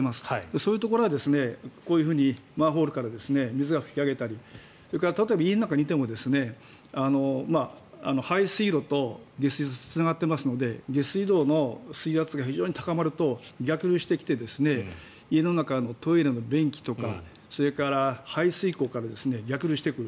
そういうところはこういうふうにマンホールから水が噴き上げたりそれから家の中にいても排水路と下水道はつながっていますので下水道の水圧が非常に高まると逆流してきて家の中のトイレの便器とかそれから排水口から逆流してくる。